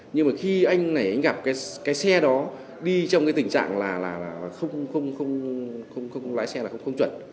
nhưng mà khi anh này anh gặp cái xe đó đi trong cái tình trạng là không lái xe là không chuẩn